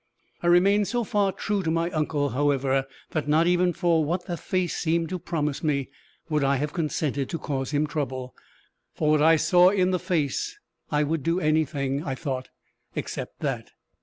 I remained so far true to my uncle, however, that not even for what the face seemed to promise me, would I have consented to cause him trouble. For what I saw in the face, I would do anything, I thought, except that.